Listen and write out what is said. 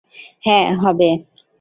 হ্যাঁ, হবে।